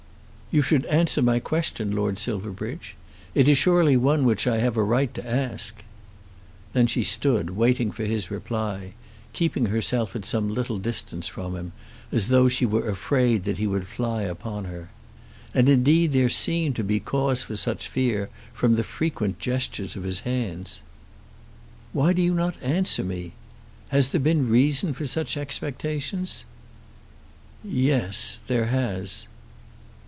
"You should answer my question, Lord Silverbridge. It is surely one which I have a right to ask." Then she stood waiting for his reply, keeping herself at some little distance from him as though she were afraid that he would fly upon her. And indeed there seemed to be cause for such fear from the frequent gestures of his hands. "Why do you not answer me? Has there been reason for such expectations?" "Yes; there has."